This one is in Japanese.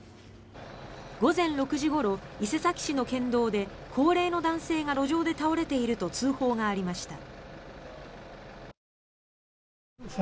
午前６時ごろ伊勢崎市の県道で高齢の男性が路上で倒れていると通報がありました。